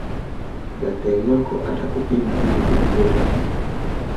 daktari wako atakupima ili kugundua tatizo